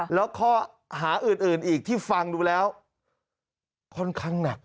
แล้วข้อหาอื่นอีกที่ฟังดูแล้วค่อนข้างหนัก